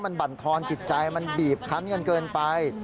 มันบรรทอนจิตใจมันบีบคันกันเกินไป